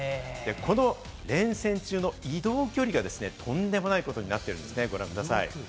この連戦中の移動距離がとんでもないことになっているんです、ご覧ください。